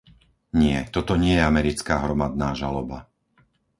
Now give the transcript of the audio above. Nie, toto nie je americká hromadná žaloba.